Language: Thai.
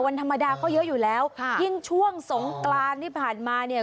วันธรรมดาก็เยอะอยู่แล้วค่ะยิ่งช่วงสงกรานที่ผ่านมาเนี่ย